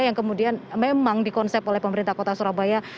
yang kemudian memang dikonsep oleh pemerintah kota surabaya